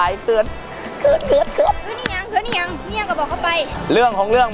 เชิญละครับ